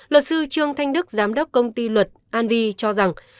luật sư trương thanh đức giám đốc công ty luật anvi cho rằng